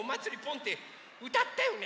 ってうたったよね！